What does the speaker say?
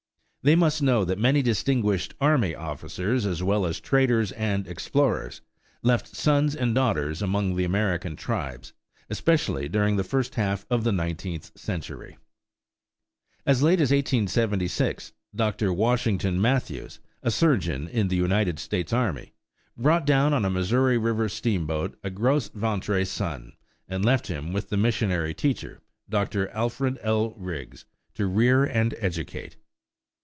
They must know that many distinguished army officers as well as traders and explorers left sons and daughters among the American tribes, especially during the first half of the nineteenth century. As late as 1876 Dr. Washington Mathews, a surgeon in the United States Army, brought down on a Missouri River steamboat a Gros Ventre son, and left him with the missionary teacher, Dr. Alfred L. Riggs, to rear and educate.